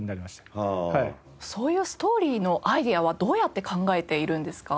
そういうストーリーのアイデアはどうやって考えているんですか？